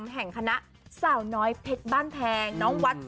เห้ยเห้ยเห้ย